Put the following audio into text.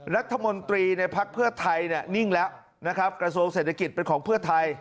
รัฐมนตรีในภักดิ์เพื่อไทยเนี่ยนิ่งแล้วนะครับกระทรวงเศรษฐกิจเป็นของเพื่อไทย